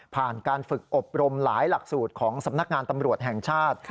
การฝึกอบรมหลายหลักสูตรของสำนักงานตำรวจแห่งชาติ